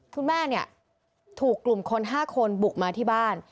คุณแม่เนี่ยถูกกลุ่มคน๕คนบุกมาที่บ้าน